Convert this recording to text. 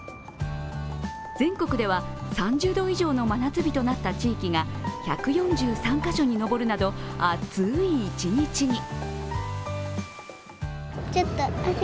全国では３０度以上の真夏日となった地域が１４３カ所に上るなど暑い一日に。